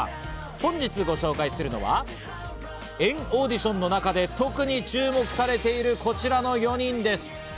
本日ご紹介するのは＆ＡＵＤＩＴＩＯＮの中で特に注目されているこちらの４人です。